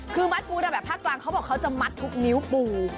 คือมัดปูระแบบภาคกลางเขาบอกเขาจะมัดทุกนิ้วปู